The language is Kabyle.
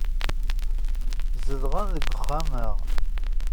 Zedɣen deg uxxam-a.